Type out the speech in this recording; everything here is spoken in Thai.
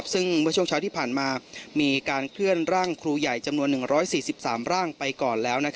ซึ่งเมื่อช่วงเช้าที่ผ่านมามีการเคลื่อนร่างครูใหญ่จำนวน๑๔๓ร่างไปก่อนแล้ว